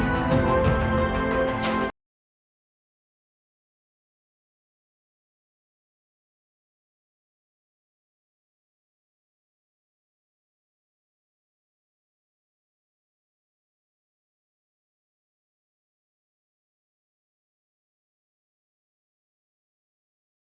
terima kasih ya tuhan